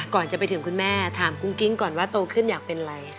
ก่อนจะไปถึงคุณแม่ถามกุ้งกิ้งก่อนว่าโตขึ้นอยากเป็นอะไร